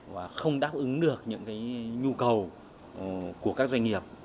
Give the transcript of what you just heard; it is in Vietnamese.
và không đáp ứng được những nhu cầu của các doanh nghiệp